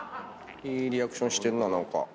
いいリアクションしてるな何か。